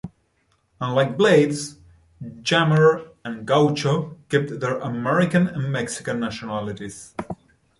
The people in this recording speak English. Unlike Blades, Jammer and Gaucho kept their American and Mexican nationalities.